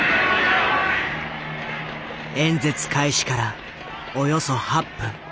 演説開始からおよそ８分。